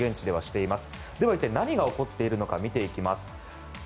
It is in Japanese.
では、一体、何が起きているか見ていきます。